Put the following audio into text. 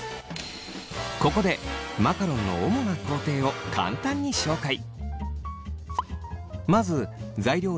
ここでマカロンの主な工程を簡単に紹介。